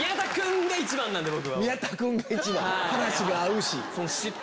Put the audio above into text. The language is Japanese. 話が合うし。